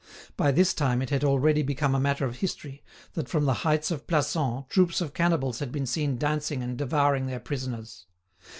By this time it had already become a matter of history that from the heights of Plassans troops of cannibals had been seen dancing and devouring their prisoners.